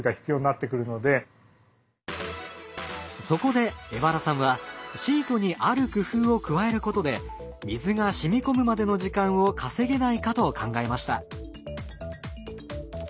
そこで荏原さんはシートにある工夫を加えることで水がしみこむまでの時間を稼げないかと考えました。